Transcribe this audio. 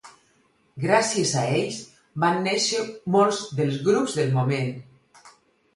gràcies a ells van néixer molts dels grups del moment.